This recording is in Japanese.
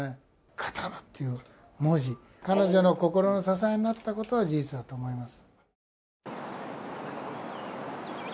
刀っていう文字、彼女の心の支えになったことは事実だと思います。